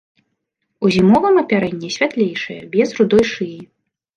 У зімовым апярэнні святлейшыя, без рудой шыі.